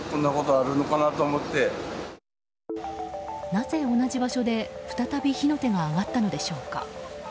なぜ同じ場所で再び火の手が上がったのでしょうか。